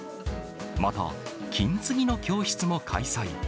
また金継ぎの教室も開催。